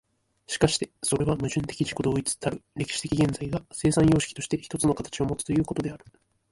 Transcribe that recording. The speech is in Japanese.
しかしてそれは矛盾的自己同一たる歴史的現在が、生産様式として一つの形をもつということである。